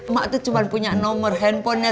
mak itu cuma punya nomor handphonenya